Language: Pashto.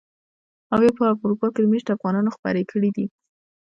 او يا په اروپا کې مېشتو افغانانو خپرې کړي دي.